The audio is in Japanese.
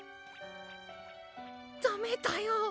ダメだよ。